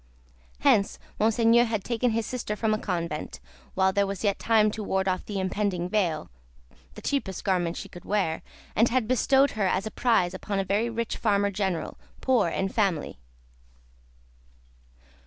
Hence Monseigneur had taken his sister from a convent, while there was yet time to ward off the impending veil, the cheapest garment she could wear, and had bestowed her as a prize upon a very rich Farmer General, poor in family.